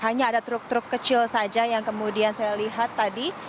hanya ada truk truk kecil saja yang kemudian saya lihat tadi